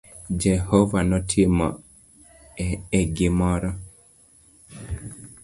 Jehova notim e gimoro